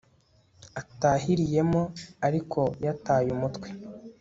atahiriyemo ariko yataye umutwe